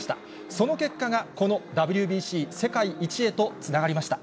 その結果がこのＷＢＣ世界一へとつながりました。